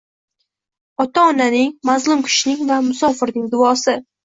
Ota-onaning, mazlum kishining va musofirning duosi